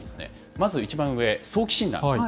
まず一番上、早期診断。